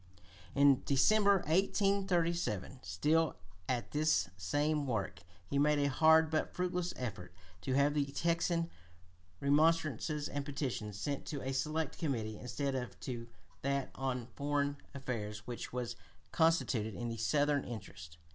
In December, 1837, still at this same work, he made a hard but fruitless effort to have the Texan remonstrances and petitions sent to a select committee instead of to that on foreign affairs which was constituted in the Southern interest.